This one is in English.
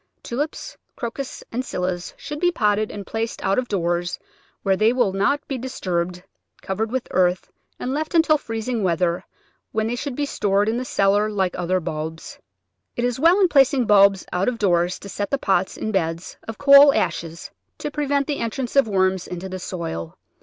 Tulips, Crocus, and Scillas should be potted and placed out of doors where they will not be disturbed, covered with earth and left until freez ing weather, when they should be stored in the cellar like other bulbs. It is well in placing bulbs out of doors to set the pots in beds of coal ashes to prevent the entrance of worms into the soil.